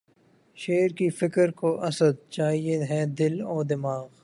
شعر کی فکر کو اسدؔ! چاہیے ہے دل و دماغ